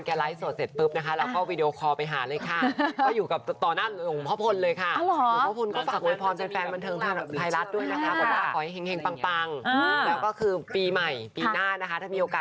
ขอบคุณมากนะคะ